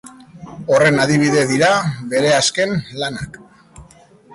Horren adibide dira bere azken lanak.